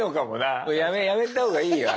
もうやめた方がいいよ。